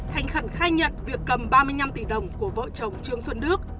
thành khẩn khai nhận việc cầm ba mươi năm tỷ đồng của vợ chồng trương xuân đức